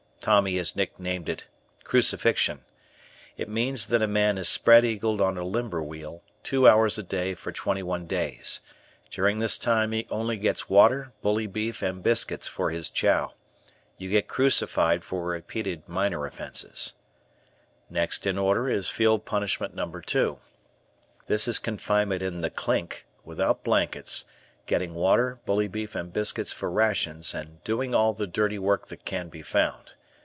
Tommy has nicknamed it "crucifixion." It means that a man is spread eagled on a limber wheel, two hours a day for twenty one days. During this time he only gets water, bully beef, and biscuits for his chow. You get "crucified" for repeated minor offences. Next in order is Field Punishment No. 2. This is confinement in the "Clink," without blankets, getting water, bully beef, and biscuits for rations and doing all the dirty work that can be found.